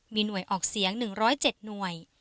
มีหน่วยออกเสียง๑๐๗หน่วย